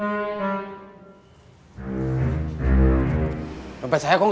jadi kamu deme jangan armadstromb sis